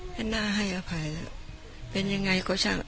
ให้น่าให้อภัยแล้วเป็นยังไงก็ช่าง